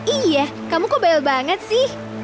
iya kamu kobel banget sih